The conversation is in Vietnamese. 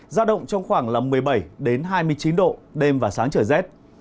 giao động trong khoảng một mươi bảy hai mươi chín độ đêm và sáng trời rét